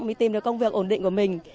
mới tìm được công việc ổn định của mình